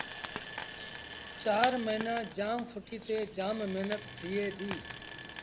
چآر موهيݩآݩ جآم ڦٽي تي جآم مهنت ٿئي ديٚ